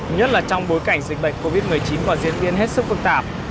nhất là trong bối cảnh dịch bệnh covid một mươi chín còn diễn biến hết sức phức tạp